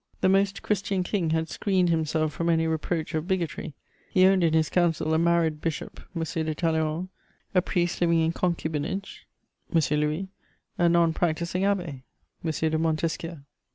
The "Most Christian" King had screened himself from any reproach of bigotry: he owned in his Council a married bishop, M. de Talleyrand; a priest living in concubinage, M. Louis; a non practising abbé, M. de Montesquiou.